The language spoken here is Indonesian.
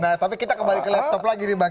nah tapi kita kembali ke laptop lagi nih bang